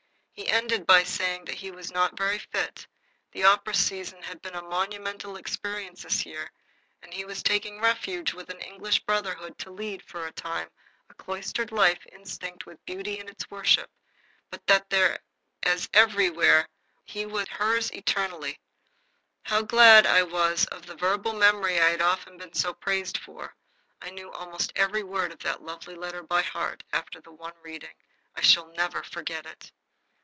He ended by saying that he was not very fit the opera season had been a monumental experience this year and he was taking refuge with an English brotherhood to lead, for a time, a cloistered life instinct with beauty and its worship, but that there as everywhere he was hers eternally. How glad I was of the verbal memory I have been so often praised for! I knew almost every word of that lovely letter by heart after the one reading. I shall never forget it.